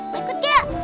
mau ikut gak